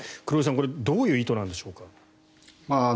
黒井さん、これはどういう意図なんでしょうか。